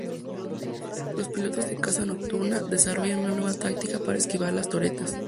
Los pilotos de caza nocturna desarrollaron una nueva táctica para esquivar las torretas.